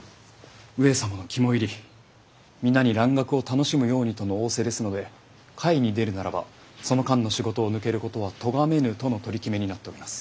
上様の肝煎り皆に蘭学を楽しむようにとの仰せですので会に出るならばその間の仕事を抜けることはとがめぬとの取り決めになっております。